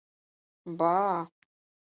Ба!